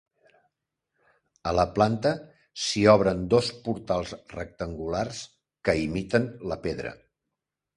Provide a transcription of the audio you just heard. A la planta s'hi obren dos portals rectangulars que imiten la pedra.